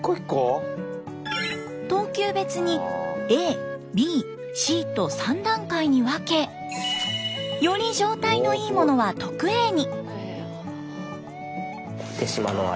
等級別にＡＢＣと３段階に分けより状態のいいものは特Ａに。